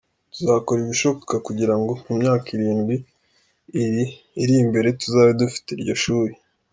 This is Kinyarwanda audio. Tuzakora ibishoboka kugira ngo mu myaka irindwi iri imbere tuzabe dufite iryo shuri.”